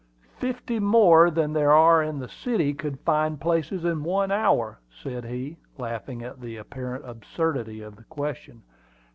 Fifty more than there are in the city could find places in one hour," said he, laughing at the apparent absurdity of the question.